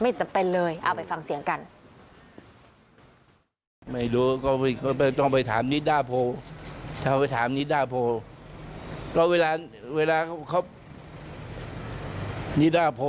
ไม่จำเป็นเลยเอาไปฟังเสียงกัน